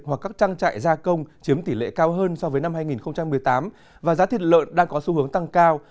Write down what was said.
hoặc các trang trại gia công chiếm tỷ lệ cao hơn so với năm hai nghìn một mươi tám và giá thịt lợn đang có xu hướng tăng cao